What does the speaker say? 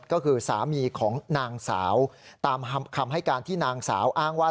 ก็คือสามีของนางสาวตามคำให้การที่นางสาวอ้างว่า